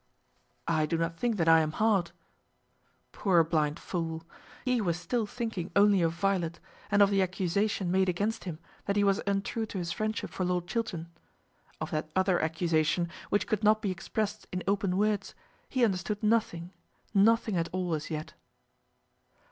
"I do not think that I am hard." Poor blind fool! He was still thinking only of Violet, and of the accusation made against him that he was untrue to his friendship for Lord Chiltern. Of that other accusation which could not be expressed in open words he understood nothing, nothing at all as yet.